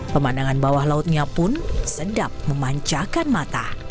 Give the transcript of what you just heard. pemandangan bawah lautnya pun sedap memancahkan mata